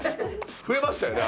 増えましたよね